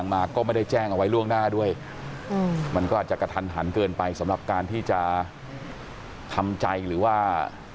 มันก็อาจจะกระทันหันเกินไปสำหรับการที่จะทำใจหรือว่า